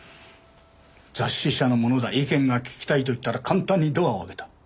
雑誌社の者だ意見が聞きたいと言ったら簡単にドアを開けた。